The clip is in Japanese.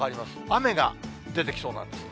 雨が出てきそうなんです。